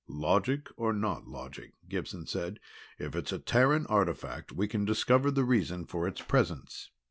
"Logic or not logic," Gibson said. "If it's a Terran artifact, we can discover the reason for its presence.